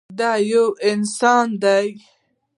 دا يو انسان ديه.